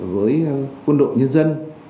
với quân đội nhân dân